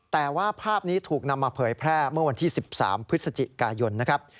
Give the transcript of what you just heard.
แต่ว่าภาพนี้ถูกนำมาเผยแพร่เมื่อวันที่๑๓พฤศจิกายนนะครับ